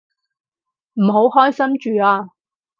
唔好開心住啊